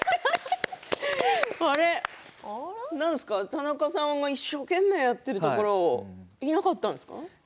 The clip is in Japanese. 田中さんが一生懸命やっているところいなかったんですか。